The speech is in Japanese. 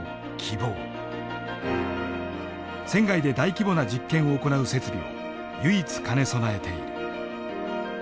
船外で大規模な実験を行う設備を唯一兼ね備えている。